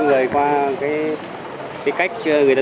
giúp em thôi hả